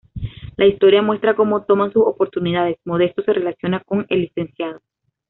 La historia muestra cómo toman sus oportunidades, Modesto se relaciona con el Lic.